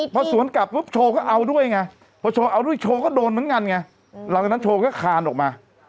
พอสวนกลับปุ๊บโชว์ก็เอาด้วยไงพอโชว์เอาด้วยโชว์ก็โดนเหมือนกันไงหลังจากนั้นโชว์ก็คานออกมา